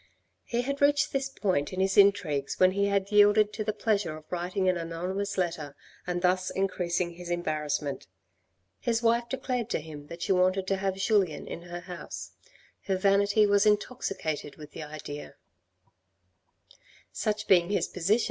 He had reached this point in his intrigues when he had yielded to the pleasure of writing an anonymous letter, and thus increasing his embarrassment. His wife declared to him that she wanted to have Julien in her house; her vanity was intoxicated with the idea. MANNERS OF PROCEDURE IN 1830 153 Such being his position M.